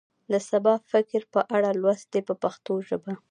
د سبا فکر په اړه لوست دی په پښتو ژبه.